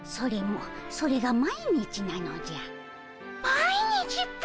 毎日っピ？